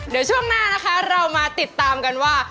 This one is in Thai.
เดี๋ยวช่วงหน้านะคะเรามาติดตามกันว่า